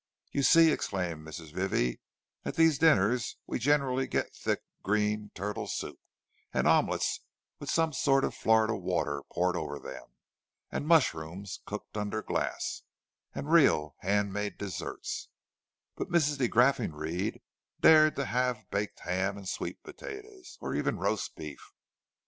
"You see," explained Mrs. Vivie, "at these dinners we generally get thick green turtle soup, and omelettes with some sort of Florida water poured over them, and mushrooms cooked under glass, and real hand made desserts; but Mrs. de Graffenried dares to have baked ham and sweet potatoes, or even real roast beef.